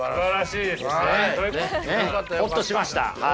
ホッとしました。